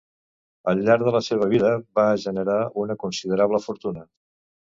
Al llarg de la seva vida va generar una considerable fortuna.